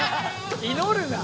祈るな！